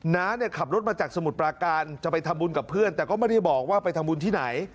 น้าเนี่ยขับรถมาจากสมุทรปราการจะไปทำบุญกับเพื่อนแต่ก็ไม่ได้บอกว่าไปทำบุญที่ไหน